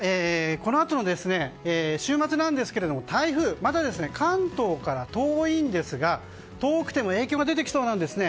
週末ですが台風は関東から遠いですが遠くても影響が出てきそうなんですね。